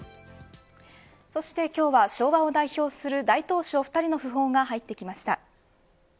そして今日は昭和を代表する大投手のお２人の訃報が入ってきました。